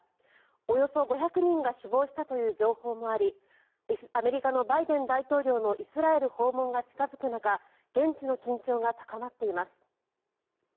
およそ５００人が死亡したという情報もありアメリカのバイデン大統領のイスラエル訪問が近付く中現地の緊張が高まっています。